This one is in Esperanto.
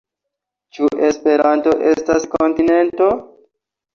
Ĉu Esperanto estas kontinento?